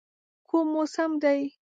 کوم موسم دی؟